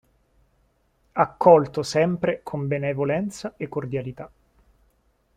Accolto sempre con benevolenza e cordialità.